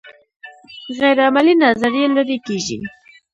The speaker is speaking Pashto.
غیر عملي نظریې لرې کیږي.